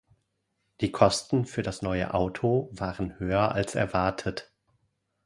Die Kosten für das neue Auto waren höher als erwartet.